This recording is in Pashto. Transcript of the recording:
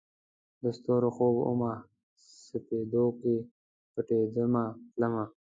د ستورو خوب ومه، سپیدو کې پټېدمه تلمه